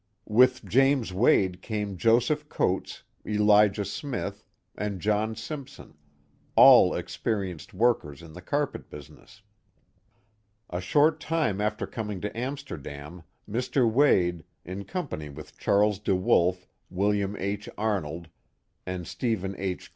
With James Wade came Joseph Coats, Elijah Smith and John Simpson, all experienced workers in the carpet business. A short time after coming to Amsterdam, Mr. Wade, in company with Charles De Wolfe, William H. Arnold, and Stephen H.